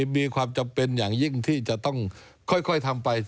มีความจำเป็นอย่างยิ่งที่จะต้องค่อยทำไป